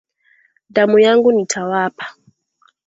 Damu yangu nitawapa